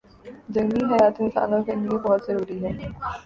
جنگلی حیات انسانوں کے لیئے بہت ضروری ہیں